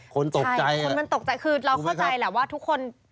คนตกใจคือเราเข้าใจแหละว่าทุกคน